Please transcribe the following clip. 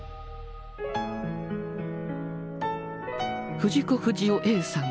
藤子不二雄さん。